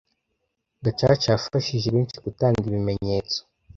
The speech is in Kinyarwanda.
Gacaca yafashije benshi gutanga ibimenyetso